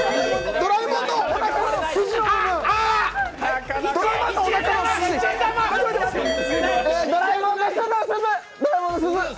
ドラえもんの鈴！